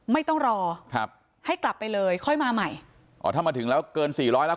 ไม่ต้องรอให้กลับไปเลยค่อยมาใหม่ถ้ามาถึงแล้วเกิน๔๐๐แล้ว